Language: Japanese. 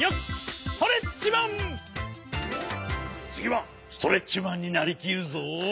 つぎはストレッチマンになりきるぞ！